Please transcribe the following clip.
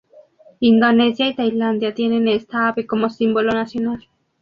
Indonesia y Tailandia tienen esta ave como símbolo nacional.